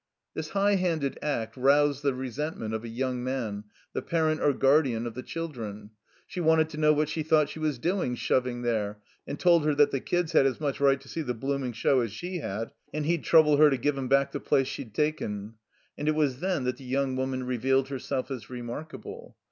This high handed act roused the resentnient of a yotmg man, the parent or guardian of the children. He wanted to know what she thought she was doing, shoving there, and told her that the kids had as much right to see the blooming show as she had, and he'd trouble her to give 'em back the place she'd taken. And it was then that the young woman re vealed herself as remarkable.